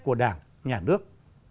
của đảng nhà nước